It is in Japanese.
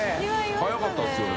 早かったですよね。